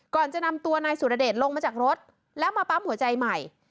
ก่อนจะนำตัวนายสุรเดชลงมาจากรถแล้วมาปั๊มหัวใจใหม่